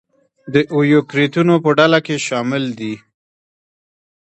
د ایوکریوتونو په ډله کې شامل دي.